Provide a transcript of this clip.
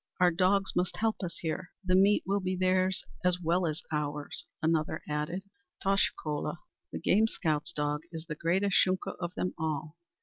Our dogs must help us here. The meat will be theirs as well as ours," another added. "Tosh, kola! The game scout's dog is the greatest Shunka of them all!